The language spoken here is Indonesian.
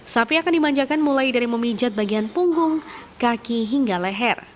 sapi akan dimanjakan mulai dari memijat bagian punggung kaki hingga leher